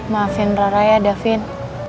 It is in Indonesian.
maafin rara ya davin